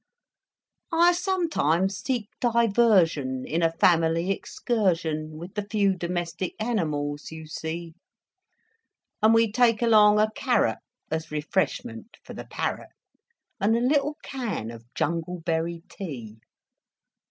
I sometimes seek diversion In a family excursion, With the few domestic animals you see; And we take along a carrot As refreshment for the parrot. And a little can of jungleberry tea.